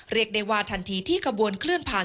เรียกได้ว่าทันทีที่ขบวนเคลื่อนผ่าน